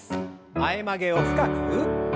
前曲げを深く。